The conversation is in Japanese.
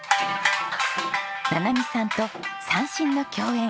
ななみさんと三線の共演。